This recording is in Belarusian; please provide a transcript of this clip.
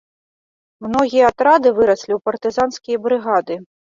Многія атрады выраслі ў партызанскія брыгады.